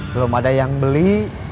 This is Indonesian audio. belum ada yang beli